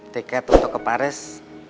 tiket untuk ke paris